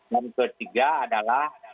yang ketiga adalah